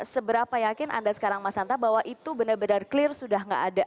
seberapa yakin anda sekarang mas hanta bahwa itu benar benar clear sudah tidak ada